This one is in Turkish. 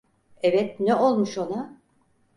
Evet, ne olmuş ona?